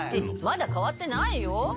まだ変わってないよ。